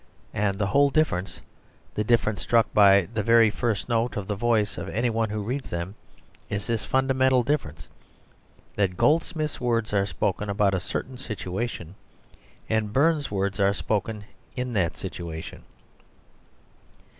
And the whole difference the difference struck by the very first note of the voice of any one who reads them is this fundamental difference, that Goldsmith's words are spoken about a certain situation, and Burns's words are spoken in that situation.